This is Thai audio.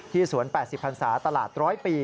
สวน๘๐พันศาตลาด๑๐๐ปี